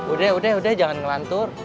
udah udah jangan ngelantur